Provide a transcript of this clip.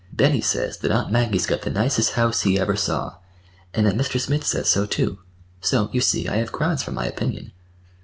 "Benny says that Aunt Maggie's got the nicest house he ever saw, and that Mr. Smith says so, too. So, you see, I have grounds for my opinion."